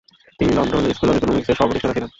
তিনি London School of ইকোনমিক্সের সহ-প্রতিষ্ঠাতা ছিলেন।